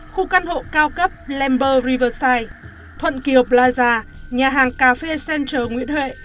khu căn hộ cao cấp lambert riverside thuận kiều plaza nhà hàng cafe center nguyễn huệ